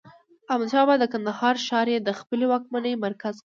احمدشاه بابا د کندهار ښار يي د خپلې واکمنۍ مرکز کړ.